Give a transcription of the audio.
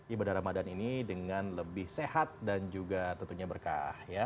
ibadah ramadan ini dengan lebih sehat dan juga tentunya berkah